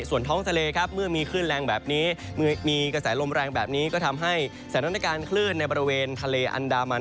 ส่วนท้องทะเลครับเมื่อมีคลื่นแรงแบบนี้เมื่อมีกระแสลมแรงแบบนี้ก็ทำให้สถานการณ์คลื่นในบริเวณทะเลอันดามัน